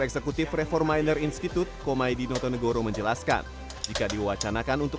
eksekutif reforminer institute komaidinoto negoro menjelaskan jika diwacanakan untuk